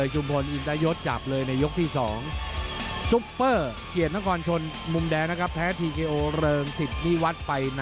ดูภาพช้านี่เกี่ยวล่างแล้วขึ้นกั้นคอนี้เมาเลยน่ะ